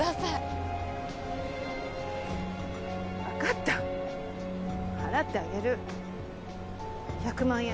ふっわかった払ってあげる１００万円。